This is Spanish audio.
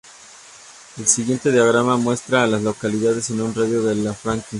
El siguiente diagrama muestra a las localidades en un radio de de Franklin.